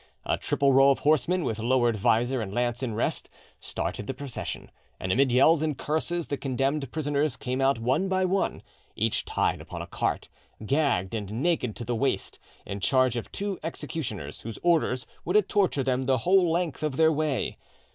A triple row of horsemen, with lowered visor and lance in rest, started the procession, and amid yells and curses the condemned prisoners came out one by one, each tied upon a cart, gagged and naked to the waist, in charge of two executioners, whose orders were to torture them the whole length of their way.